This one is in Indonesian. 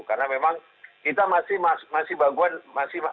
karena memang kita masih banyak